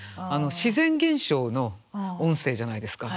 自然現象の音声じゃないですか。